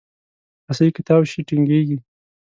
رسۍ که تاو شي، ټینګېږي.